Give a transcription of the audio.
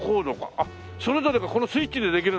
あっそれぞれがこのスイッチでできるんだ。